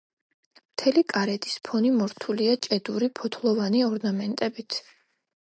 მთელი კარედის ფონი მორთულია ჭედური ფოთლოვანი ორნამენტებით.